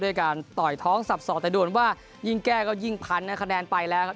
ด้วยการต่อยท้องสับสอกแต่ด่วนว่ายิ่งแก้ก็ยิ่งพันคะแนนไปแล้วครับ